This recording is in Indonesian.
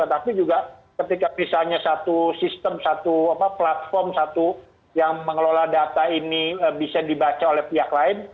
tapi juga ketika misalnya satu sistem satu platform satu yang mengelola data ini bisa dibaca oleh pihak lain